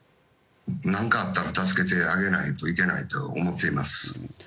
何かあったら助けてあげないといけないと思っています。